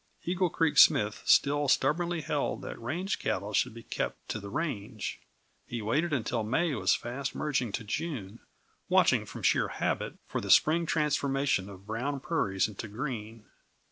Eagle Creek Smith still stubbornly held that rangecattle should be kept to the range. He waited until May was fast merging to June, watching, from sheer habit, for the spring transformation of brown prairies into green.